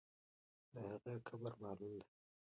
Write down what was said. د هغې قبر معلوم دی.